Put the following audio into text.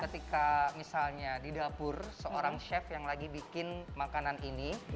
ketika misalnya di dapur seorang chef yang lagi bikin makanan ini